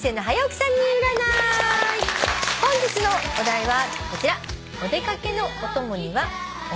本日のお題はこちら。